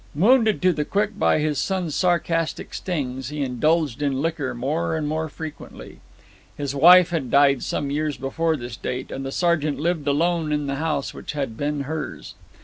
Wounded to the quick by his son's sarcastic stings, he indulged in liquor more and more frequently. His wife had died some years before this date, and the sergeant lived alone in the house which had been hers.